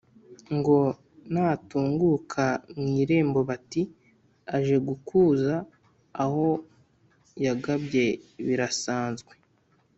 Ngo natunguka mu iremboBati: "Aje gukuza aho yagabye birasanzwe